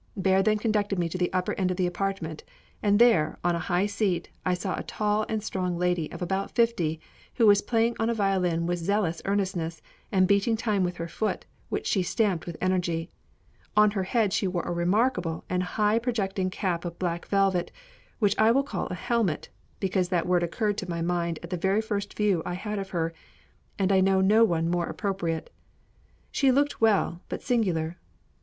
Bear then conducted me to the upper end of the apartment; and there, on a high seat, I saw a tall and strong lady of about fifty, who was playing on a violin with zealous earnestness, and beating time with her foot, which she stamped with energy. On her head she wore a remarkable and high projecting cap of black velvet, which I will call a helmet, because that word occurred to my mind at the very first view I had of her, and I know no one more appropriate. She looked well, but singular.